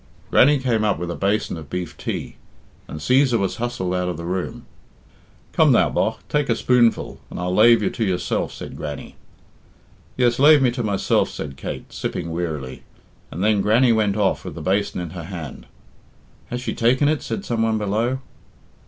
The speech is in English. Grannie came up with a basin of beef tea, and Cæsar was hustled out of the room. "Come now, bogh; take a spoonful, and I'll lave you to yourself," said Grannie. "Yes, leave me to myself," said Kate, sipping wearily; and then Grannie went off with the basin in her hand. "Has she taken it?" said some one below.